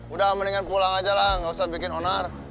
udah mendingan pulang aja lah nggak usah bikin onar